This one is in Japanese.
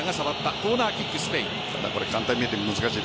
コーナーキックスペイン。